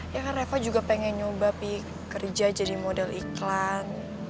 ya kan eva juga pengen nyoba sih kerja jadi model iklan